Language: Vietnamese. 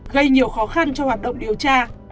gây nhiều khó khăn cho hoạt động điều tra